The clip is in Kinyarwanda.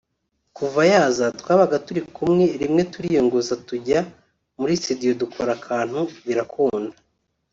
kuva yaza twabaga turi kumwe rimwe turiyongoza tujya muri studio dukora akantu birakunda